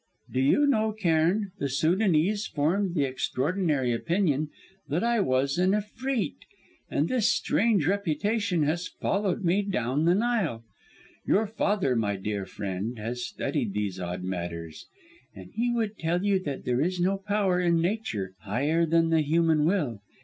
Do you know, Cairn, the Sudanese formed the extraordinary opinion that I was an efreet, and this strange reputation has followed me right down the Nile. Your father, my dear friend, has studied these odd matters, and he would tell you that there is no power, in Nature, higher than the human will.